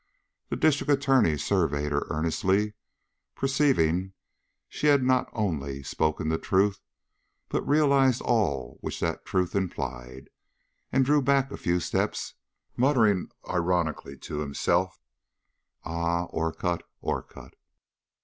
The District Attorney surveyed her earnestly, perceiving she had not only spoken the truth, but realized all which that truth implied, and drew back a few steps muttering ironically to himself: "Ah, Orcutt! Orcutt!"